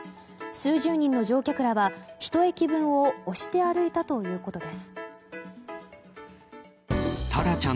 数十人の乗客らは１駅分を押して歩いたということです。